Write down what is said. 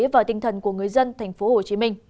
và tinh thần của người dân tp hcm